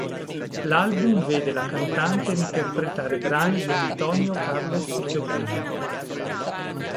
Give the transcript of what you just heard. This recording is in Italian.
L'album vede la cantante interpretare brani di Antônio Carlos Jobim.